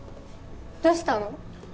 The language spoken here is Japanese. どうしたの？